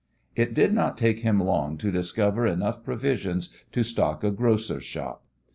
It did not take him long to discover enough provisions to stock a grocer's shop.